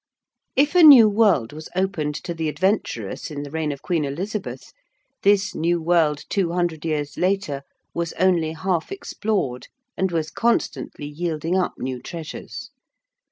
If a new world was opened to the adventurous in the reign of Queen Elizabeth, this new world two hundred years later was only half explored and was constantly yielding up new treasures.